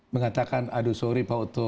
mengatakan aduh sorry pak oto